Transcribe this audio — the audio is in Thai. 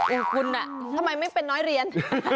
อุ้ยคุณอ่ะทำไมไม่เป็นน้อยเรียน